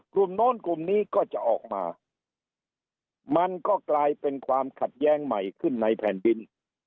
โน้นกลุ่มนี้ก็จะออกมามันก็กลายเป็นความขัดแย้งใหม่ขึ้นในแผ่นดิน